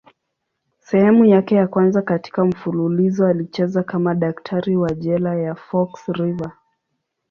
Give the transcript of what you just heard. Sehemu yake ya kwanza katika mfululizo alicheza kama daktari wa jela ya Fox River.